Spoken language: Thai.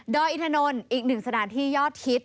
ด้อยอิทธานนท์อีกหนึ่งสถานที่ยอดทิศ